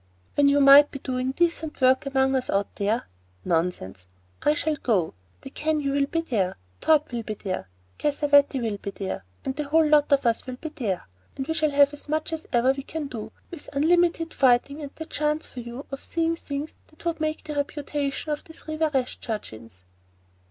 "When you might be doing decent work among us out there? Nonsense! I shall go, the Keneu will be there, Torp will be there, Cassavetti will be there, and the whole lot of us will be there, and we shall have as much as ever we can do, with unlimited fighting and the chance for you of seeing things that would make the reputation of three Verestchagins."